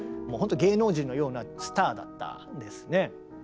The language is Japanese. もうほんと芸能人のようなスターだったんですね。